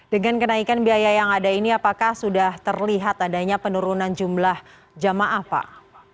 dengan kenaikan biaya yang ada ini apakah sudah terlihat adanya penurunan jumlah jamaah pak